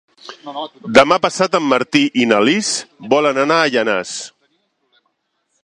Demà passat en Martí i na Lis volen anar a Llanars.